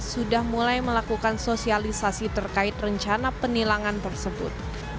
sudah mulai melakukan sosialisasi terkait rencana penilangan tersebut